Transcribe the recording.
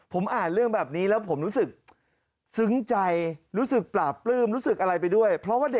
ผมอ่านเรื่องแบบนี้แล้วผมรู้สึกซึ้งใจรู้สึกปลาปลื้มรู้สึกอะไรไปด้วย